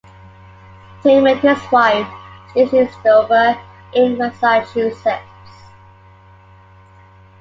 Tim met his wife, Stacy Stover, in Massachusetts.